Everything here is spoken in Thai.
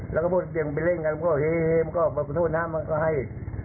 แล้วก็พวกไปเล่นกันมันก็เฮมันก็โทษนะมันก็ให้